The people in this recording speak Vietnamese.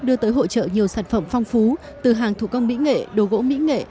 đưa tới hội trợ nhiều sản phẩm phong phú từ hàng thủ công mỹ nghệ đồ gỗ mỹ nghệ